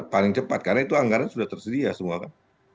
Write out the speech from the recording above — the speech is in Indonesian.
paling cepat karena itu anggaran sudah tersedia semua kan